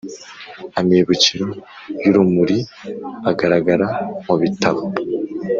amibukiro y’urumuri agaragara mubitabo